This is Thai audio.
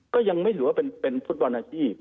ก็ยังไม่ถือว่าเป็นฟุตบอลอาชีพ